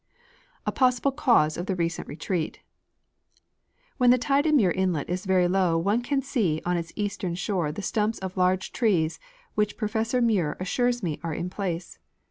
A possible Cause of the recent Retreat. When the tide in Muir inlet is very low one can see on its eastern shore the stumps of large trees, which Professor Muir assures me are in place.